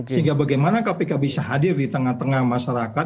sehingga bagaimana kpk bisa hadir di tengah tengah masyarakat